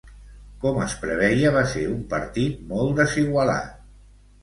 Com es preveia va ser un partit molt desigualat.